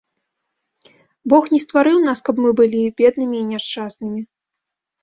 Бог не стварыў нас, каб мы былі беднымі і няшчаснымі.